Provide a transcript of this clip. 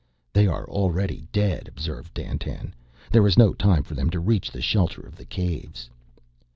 "They are already dead," observed Dandtan. "There is no time for them to reach the shelter of the Caves."